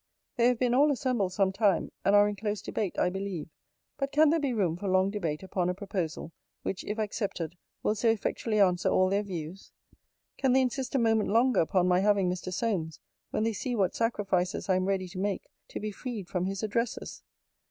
They have been all assembled some time, and are in close debate I believe: But can there be room for long debate upon a proposal, which, if accepted, will so effectually answer all their views? Can they insist a moment longer upon my having Mr. Solmes, when they see what sacrifices I am ready to make, to be freed from his addresses?